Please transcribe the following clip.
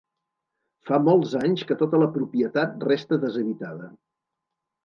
Fa molts anys que tota la propietat resta deshabitada.